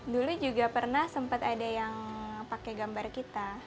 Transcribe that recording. dulu juga pernah sempat ada yang pakai gambar kita